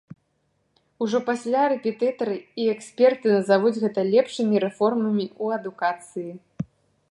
Ужо пасля рэпетытары і эксперты назавуць гэта лепшымі рэформамі ў адукацыі.